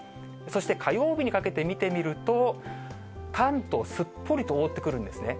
そして火曜日にかけて見てみると、関東、すっぽりと覆ってくるんですね。